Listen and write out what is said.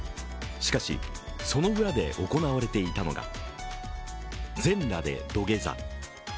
しかし、その裏で行われていたのが全裸での土下座。